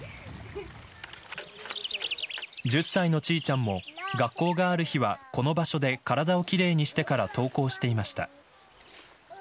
１０歳のチーチャンも学校がある日は、この場所で体を奇麗にしてから登校していました。